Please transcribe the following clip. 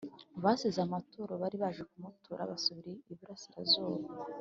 Basize amaturo bari baje kumutura basubira I burasirazuba